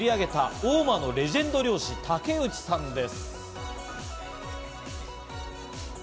釣り上げた大間のレジェンド漁師・竹内さんです。